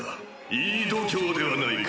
いい度胸ではないか。